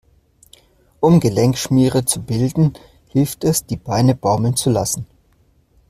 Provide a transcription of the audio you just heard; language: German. Um Gelenkschmiere zu bilden, hilft es, die Beine baumeln zu lassen.